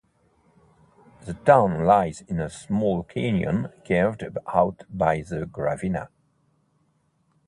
The town lies in a small canyon carved out by the Gravina.